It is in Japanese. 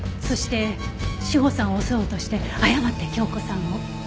そして詩帆さんを襲おうとして誤って教子さんを。